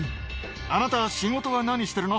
あなた仕事は何してるの？